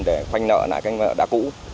để phanh nợ là các ngân hàng đã cũ